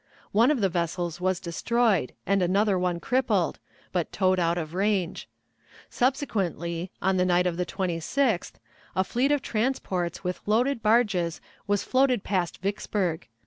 One of the vessels was destroyed, and another one crippled, but towed out of range. Subsequently, on the night of the 26th, a fleet of transports with loaded barges was floated past Vicksburg.